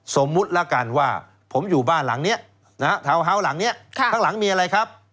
สมมุติแล้วกันว่าผมอยู่บ้านหลังนี้ทาวน์ฮาวส์หลังนี้ข้างหลังมีอะไรครับ